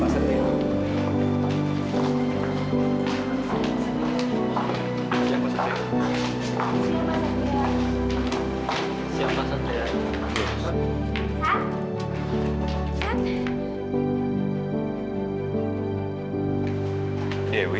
sampai jumpa lagi